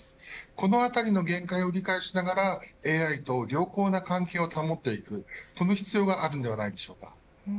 このあたりの限界を理解しながらＡＩと良好な関係を保っていくこの必要があるんではないでしょうか。